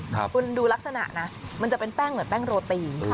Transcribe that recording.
คุณดูลักษณะนะมันจะเป็นแป้งเหมือนแป้งโรตี